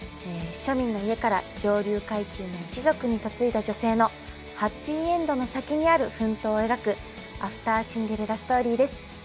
庶民の家から上流階級の一族に嫁いだ女性のハッピーエンドの先にある奮闘を描くアフターシンデレラストーリーです。